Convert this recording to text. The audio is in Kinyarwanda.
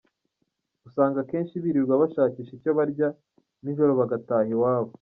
Usanga akenshi birirwa bashakisha icyo barya, nijoro bagataha iwabo.